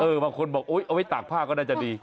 เออบางคนบอกเอาไว้ตากผ้าก็น่าจะดี